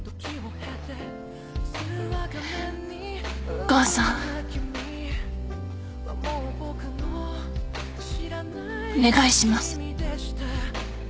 お母さんお願いします。